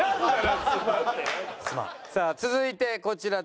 さあ続いてこちら。